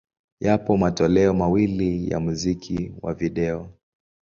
Yapo matoleo mawili ya muziki wa video.